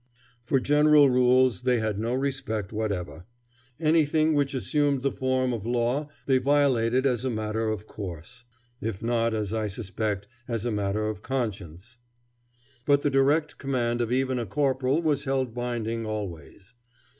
For general rules they had no respect whatever. Anything which assumed the form of law they violated as a matter of course, if not, as I suspect, as a matter of conscience; but the direct command of even a corporal was held binding always.